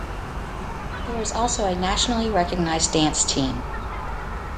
There is also a nationally recognized dance team.